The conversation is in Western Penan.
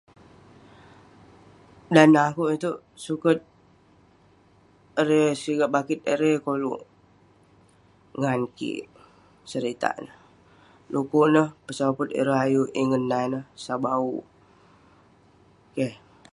Dan neh akouk itouk suket, erei..sigak bakit erei koluk ngan kik..seritak neh..du'kuk neh pesoput ireh ayuk ingan nah ineh, sat bauk...keh..